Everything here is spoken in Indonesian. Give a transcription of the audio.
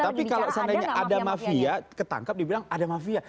tapi kalau seandainya ada mafia ketangkap dibilang ada mafia